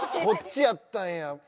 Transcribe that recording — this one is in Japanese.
こっちやったんや。